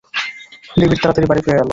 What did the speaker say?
David তাড়াতাড়ি বাড়ি ফিরে এল।